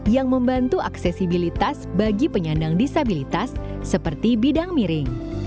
yang membantu aksesibilitas bagi penyandang disabilitas seperti bidang miring